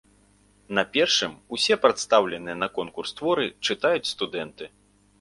На першым усе прадстаўленыя на конкурс творы чытаюць студэнты.